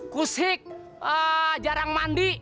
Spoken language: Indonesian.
kushik jarang mandi